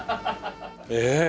ええ！？